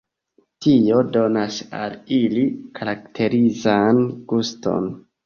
Tio donas al ili karakterizan guston.